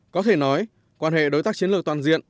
có thể nói quan hệ đối tác chiến lược toàn diện